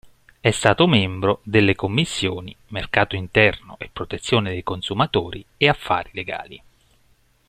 È stato membro delle commissioni “Mercato Interno e Protezione dei Consumatori” e “Affari Legali”.